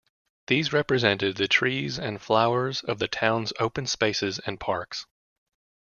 These represented the trees and flowers of the town's open spaces and parks.